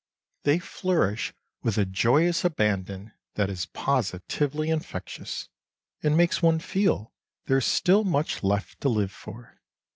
They flourish with a joyous abandon that is positively infectious, and makes one feel there is still much left to live for.